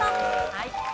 はい。